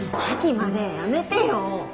亜紀までやめてよ。